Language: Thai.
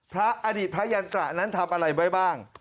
พระอดีตพระยันตระนั้นทำอะไรไว้บ้าง